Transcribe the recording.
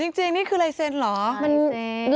ถามจริงนี่คือลายเซ็นเหรอ